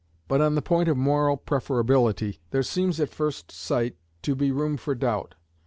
But on the point of moral preferability, there seems at first sight to be room for doubt.